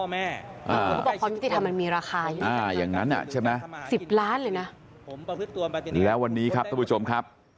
มีราคาอย่างงั้นอ่ะ๑๐ล้านเลยนะแล้ววันนี้ครับทุกผู้ชมครับ